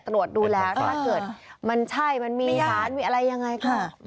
ตรวจดูแล้วถ้าเกิดมันใช่มันมีสารมีอะไรยังไงค่ะ